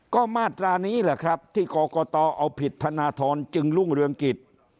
ก็มาตรานี้แหละครับที่กรกตเอาผิดธนทรจึงรุ่งเรืองกิจ